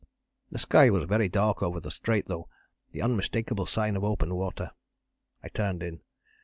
The sky was very dark over the Strait though, the unmistakable sign of open water. I turned in.